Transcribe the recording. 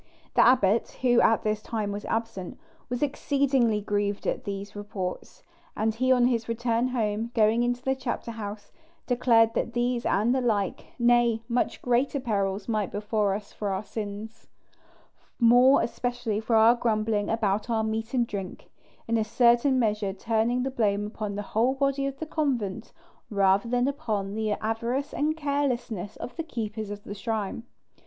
The abbot, who at this time was absent, was exceedingly grieved at these reports; and he on his return home, going into the chapter house, declared that these and the like, nay, much greater perils might befall us for our sins, more especially for our grumbling about our meat and drink; in a certain measure turning the blame upon the whole body of the convent, rather than upon the avarice and carelessness of the keepers of the shrine.